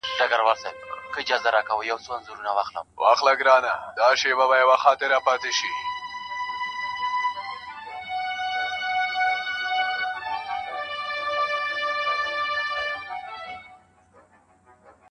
o پخوا د كلي په گودر كي جـادو.